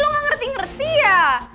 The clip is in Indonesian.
lo gak ngerti ngerti ya